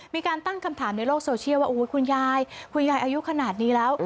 มีการตั้งคำถามในโลกโซเชียลว่าคุณยายคุณยายอายุขนาดนี้แล้ว